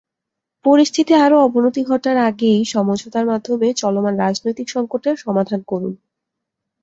পরিস্থিতি আরও অবনতি ঘটার আগেই সমঝোতার মাধ্যমে চলমান রাজনৈতিক সংকটের সমাধান করুন।